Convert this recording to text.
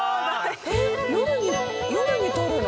夜に採るの？